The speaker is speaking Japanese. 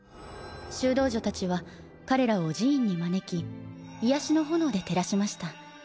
修道女たちは彼らを寺院に招き癒しの炎で照らしました。